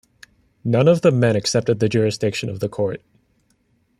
None of the men accepted the jurisdiction of the court.